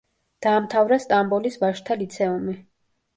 დაამთავრა სტამბოლის ვაჟთა ლიცეუმი.